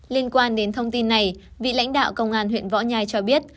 liên quan đến thông tin này vị lãnh đạo công an huyện võ nhai cho biết